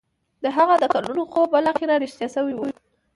د هغه د کلونو خوب بالاخره رښتيا شوی و.